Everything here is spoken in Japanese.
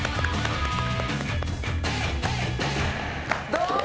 どうも。